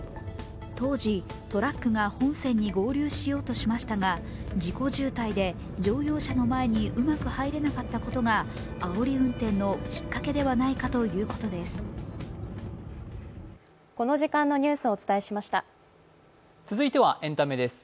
当時、トラックが本線に合流しようとしましたが、事故渋滞で乗用車の前にうまく入れなかったことがあおり運転のきっかけではないかということです。